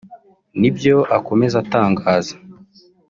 nibyo akomeza atangaza